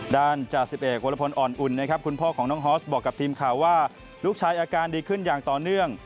จ่าสิบเอกวรพลอ่อนอุ่นนะครับคุณพ่อของน้องฮอสบอกกับทีมข่าวว่าลูกชายอาการดีขึ้นอย่างต่อเนื่อง